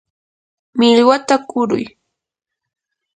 millwata kuruy.